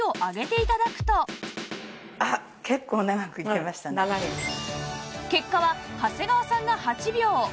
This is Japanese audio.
そして結果は長谷川さんが８秒